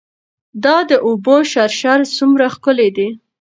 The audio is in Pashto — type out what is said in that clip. دا د اوبو شرشرې څومره ښکلې دي.